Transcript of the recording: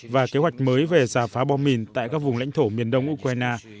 và kế hoạch mới về giả phá bom mìn tại các vùng lãnh thổ miền đông ukraine